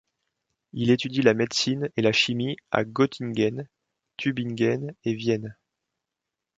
Il étudie la médecine et la chimie à Göttingen, Tübingen et Vienne.